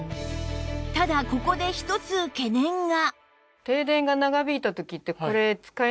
ただここで一つ懸念が